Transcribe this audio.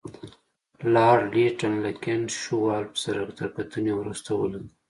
لارډ لیټن له کنټ شووالوف سره تر کتنې وروسته ولیکل.